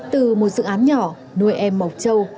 từ một dự án nhỏ nuôi em mộc châu